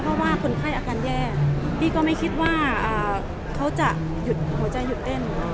เพราะว่าคนไข้อาการแย่พี่ก็ไม่คิดว่าเขาจะหยุดหัวใจหยุดเต้น